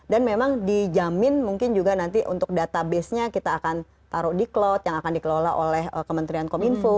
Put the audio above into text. dan memang dijamin mungkin juga nanti untuk databasenya kita akan taruh di cloud yang akan dikelola oleh kementerian kominfo